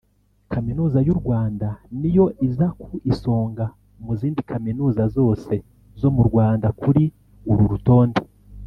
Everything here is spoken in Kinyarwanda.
Kaminuza y’u Rwanda niyo iza ku isonga mu zindi kaminuza zose zo mu Rwanda kuri uru rutonde